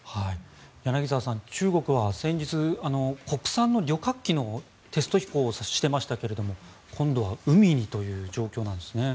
柳澤さん、中国は先日国産の旅客機のテスト飛行をしていましたけど、今度は海にという状況なんですね。